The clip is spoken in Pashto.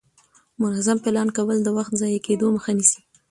منظم پلان کول د وخت ضایع کېدو مخه نیسي